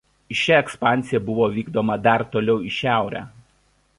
Iš čia ekspansija buvo vykdoma dar toliau į šiaurę.